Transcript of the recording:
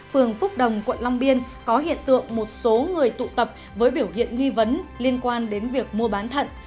phường phúc đồng quận long biên có hiện tượng một số người tụ tập với biểu hiện nghi vấn liên quan đến việc mua bán thận